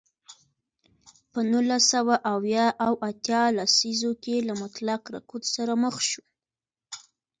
په نولس سوه اویا او اتیا لسیزو کې له مطلق رکود سره مخ شو.